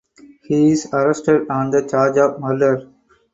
He is arrested on the charge of murder.